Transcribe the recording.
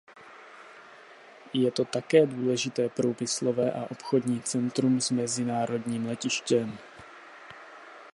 Je to také důležité průmyslové a obchodní centrum s mezinárodním letištěm.